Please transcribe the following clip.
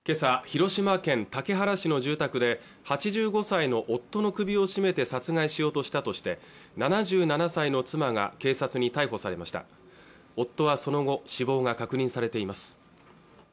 広島県竹原市の住宅で８５歳の夫の首を絞めて殺害しようとしたとして７７歳の妻が警察に逮捕されました夫はその後死亡が確認されています